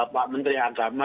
pak menteri agama